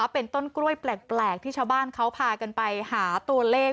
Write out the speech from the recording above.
เป็นต้นกล้วยแปลกที่ชาวบ้านเขาพากันไปหาตัวเลข